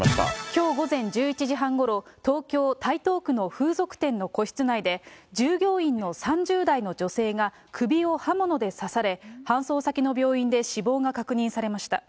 きょう午前１１時半ごろ、東京・台東区の風俗店の個室内で、従業員の３０代の女性が首を刃物で刺され、搬送先の病院で死亡が確認されました。